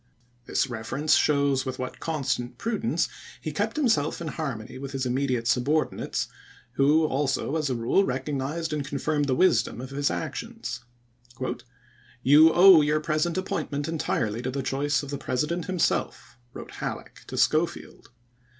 This reference shows with what con ^p^V"' stant prudence he kept himself in harmony with his immediate subordinates, who also, as a rule, recognized and confirmed the wisdom of his ac tions. "You owe your present appointment en tirely to the choice of the President himself," wi^ote f choflew? Halleck to Schofield.